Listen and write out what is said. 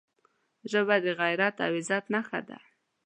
ژبه د غیرت او عزت نښه ده